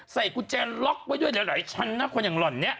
ใส่กุญแจล็อกไว้ด้วยหลายชั้นนะคนอย่างหล่อนนี้